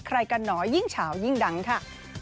ใครกันหนอยิ่งเฉายิ่งดังค่ะ